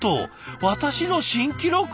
私の新記録！」。